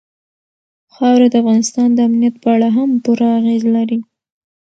خاوره د افغانستان د امنیت په اړه هم پوره اغېز لري.